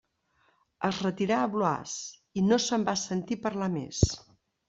Es retirà a Blois i no se'n va sentir parlar més.